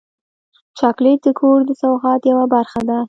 چاکلېټ د کور د سوغات یوه برخه ده.